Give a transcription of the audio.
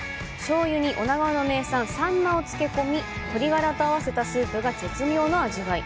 醤油に女川の名産・サンマを漬け込み、鶏ガラと合わせたスープが絶妙の味わい。